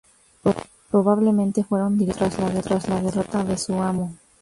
Probablemente fueron liberados tras la derrota de su amo.